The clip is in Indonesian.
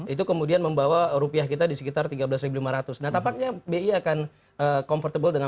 itu kemudian membawa rupiah kita di sekitar tiga belas lima ratus nah tampaknya bi akan comfortable dengan